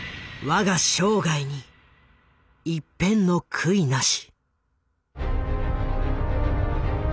「わが生涯に一片の悔いなし！！」